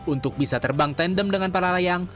untuk bisa terbang tandem dengan para layang